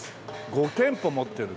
５店舗持ってる。